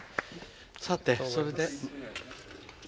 さてそれで？